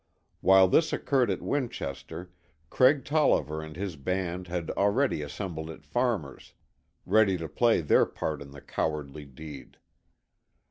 While this occurred at Winchester, Craig Tolliver and his band had already assembled at Farmers, ready to play their part in the cowardly deed.